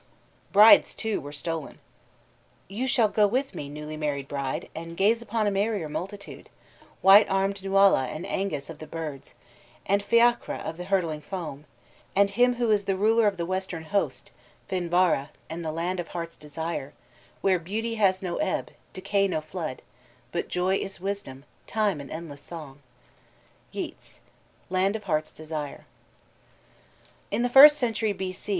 Brides too were stolen. "You shall go with me, newly married bride, And gaze upon a merrier multitude; White armed Nuala and Ængus of the birds, And Feacra of the hurtling foam, and him Who is the ruler of the western host, Finvarra, and the Land of Heart's Desire, Where beauty has no ebb, decay no flood, But joy is wisdom, time an endless song." YEATS: Land of Heart's Desire. In the first century B. C.